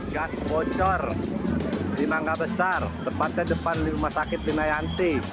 gas bocor di mangga besar tempatnya depan rumah sakit di nayanti